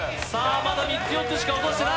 まだ３つ４つしか落としてない